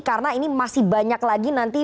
karena ini masih banyak lagi nanti